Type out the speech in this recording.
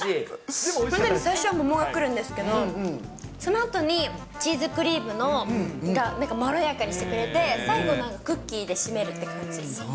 最初は桃がくるんですけど、そのあとにチーズクリームがなんかまろやかにしてくれて、最後、なんかクッキーで締めるっていう感じ。